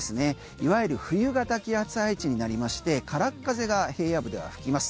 いわゆる冬型気圧配置になりまして空っ風が平野部では吹きます。